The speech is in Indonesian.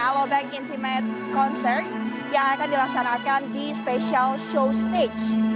alobank intimate concert yang akan dilaksanakan di special show stage